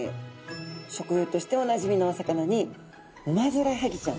食用としておなじみのお魚にウマヅラハギちゃん。